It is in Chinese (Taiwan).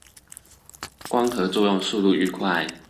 光合作用速率愈快